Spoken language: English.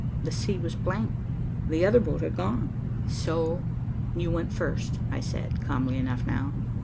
The sea was blank. The other boat had gone. "So you went first," I said, calmly enough now.